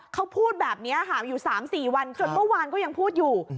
เขาพูดแบบนี้ค่ะอยู่๓๔วันจนเมื่อวานก็ยังพูดอยู่